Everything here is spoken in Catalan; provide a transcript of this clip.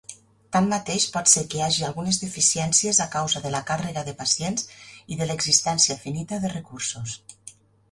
Tanmateix, pot ser que hi hagi algunes deficiències a causa de la càrrega de pacients i de l'existència finita de recursos.